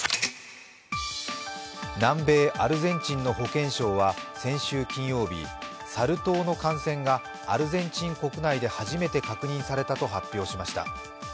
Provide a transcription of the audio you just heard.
南米アルゼンチンの保健省は先週金曜日サル痘の感染がアルゼンチン国内で初めて確認されたと発表しました。